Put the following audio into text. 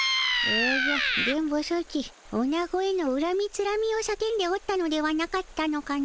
おじゃ電ボソチオナゴへのうらみつらみを叫んでおったのではなかったのかの？